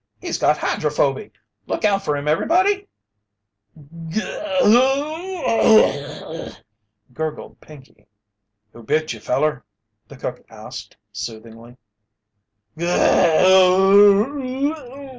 "He's got hydrophoby! Look out for him everybody!" "G gg ggg ough!" gurgled Pinkey. "Who bit you, feller?" the cook asked, soothingly.